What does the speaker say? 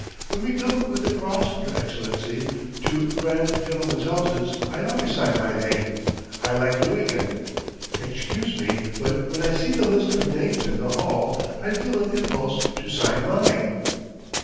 "When we come with the Cross, your Excellency, to grand gentlemen's houses I always sign my name. ... I like doing it. ... Excuse me, but when I see the list of names in the hall I feel an impulse to sign mine.